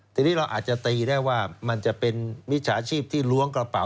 ทีนี้เราอาจจะตีได้ว่ามันจะเป็นมิจฉาชีพที่ล้วงกระเป๋า